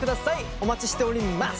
お待ちしております！